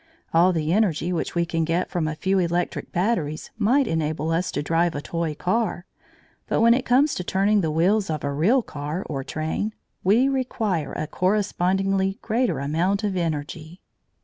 All the energy which we can get from a few electric batteries might enable us to drive a toy car, but when it comes to turning the wheels of a real car or train, we require a correspondingly greater amount of energy.